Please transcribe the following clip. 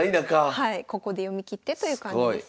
はいここで読みきってという感じです。